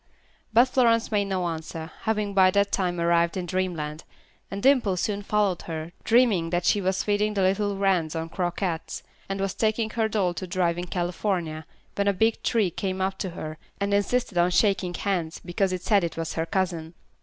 But Florence made no answer, having by that time arrived in dreamland, and Dimple soon followed her, dreaming that she was feeding the little wrens on croquettes, and was taking her doll to drive in California, when a big tree came up to her, and insisted on shaking hands, because it said it was her cousin.